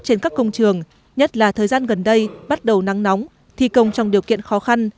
trên các công trường nhất là thời gian gần đây bắt đầu nắng nóng thi công trong điều kiện khó khăn